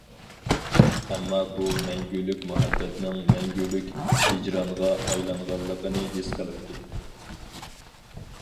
ئەمما بۇ مەڭگۈلۈك مۇھەببەتنىڭ مەڭگۈلۈك ھىجرانغا ئايلانغانلىقىنى ھېس قىلىپتۇ.